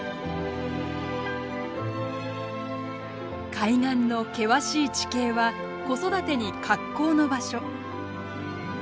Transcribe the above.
海岸の険しい地形は子育てに格好の場所。